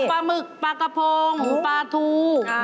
หมึกปลากระพงปลาทู